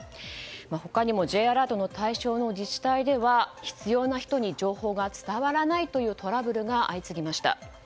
他にもＪアラートの対象の自治体では必要な人に情報が伝わらないというトラブルが相次ぎました。